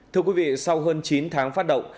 thưa quý vị sau hơn chín tháng phát động